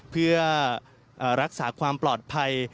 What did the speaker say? เพื่อรักษาความปลอดภัย